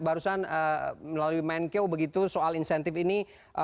barusan melalui menkeu begitu soal insentif ini